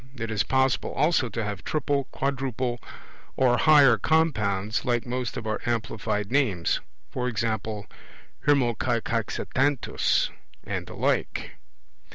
It is possible also to have triple, quadruple or higher compounds, like most of our amplified names; e.g.' Hermocaicoxanthus' and the like.